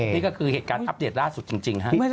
นี่ก็คือเหตุการณ์อัปเดตล่าสุดจริงฮะ